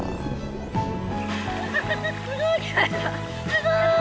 すごい！